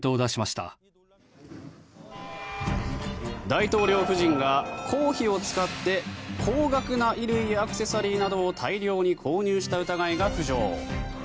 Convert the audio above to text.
大統領夫人が公費を使って高額な衣類やアクセサリーなどを大量に購入した疑いが浮上。